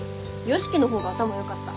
良樹の方が頭よかった。